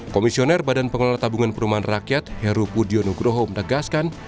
komisioner badan pengelola tabungan perumahan rakyat heru budio nugroho menegaskan